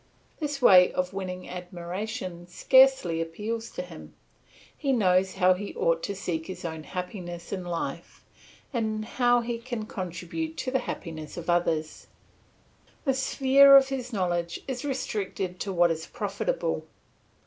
This way of winning admiration scarcely appeals to him; he knows how he ought to seek his own happiness in life, and how he can contribute to the happiness of others. The sphere of his knowledge is restricted to what is profitable.